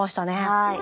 はい。